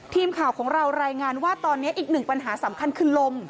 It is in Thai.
ทีมข่าวของเรารายงานว่าตอนนี้อีกหนึ่งปัญหาสำคัญคือลม